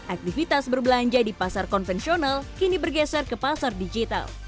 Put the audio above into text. aktivitas berbelanja di pasar konvensional kini bergeser ke pasar digital